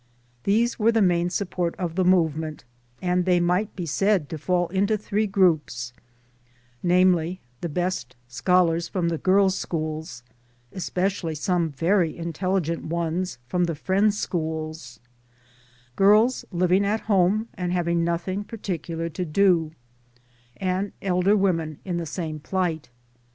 These were the main support of the movement, and they might be said to fall into three groups namely, the best scholars from girls' schools, especially some very intelligent ones from the Friends' Schools ; girls living at home and haying nothing particular to do; UNIVERSITY EXTENSION 81 and elder women in the same plight.